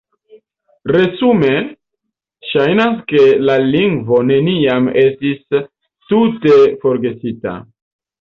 Resume, ŝajnas, ke la lingvo neniam estis tute forgesita.